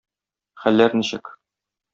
Хәлләр ничек?